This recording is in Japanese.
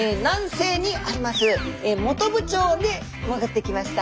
本部町で潜ってきました。